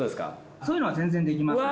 そういうのは全然できますね。